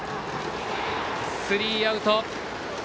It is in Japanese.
スリーアウト。